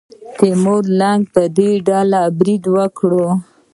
تیمور لنګ په ډیلي برید وکړ.